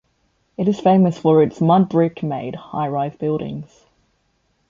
It is famous for its mudbrick-made high-rise buildings.